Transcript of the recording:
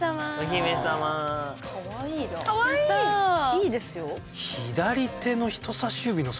いいですよ。